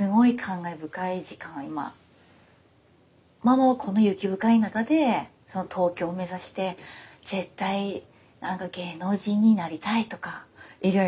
ママはこの雪深い中で東京目指して絶対芸能人になりたいとかいろいろと考えてたわけよ。